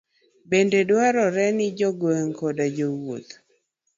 Bende dwarore ni jokwang' koda jowuoth